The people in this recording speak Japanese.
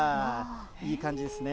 いい感じですね。